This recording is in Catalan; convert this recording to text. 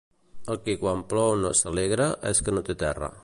El qui quan plou no s'alegra és que no té terra.